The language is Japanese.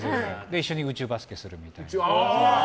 一緒に宇宙バスケするみたいな。